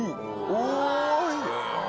おい！